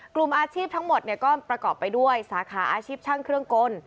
กลุ่มอาชีพทั้งหมดก็ประกอบไปด้วยสาขาอาชีพช่างเครื่องกล